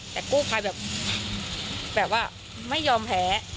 แต่กู้ไผ่แบบว่าไม่ยอมแผล